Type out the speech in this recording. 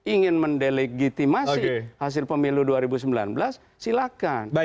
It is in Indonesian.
ingin mendelegitimasi hasil pemilu dua ribu sembilan belas silakan